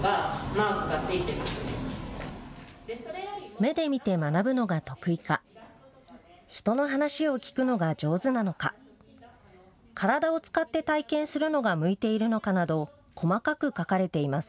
目で見て学ぶのが得意か、人の話を聞くのが上手なのか、体を使って体験するのが向いているのかなど細かく書かれています。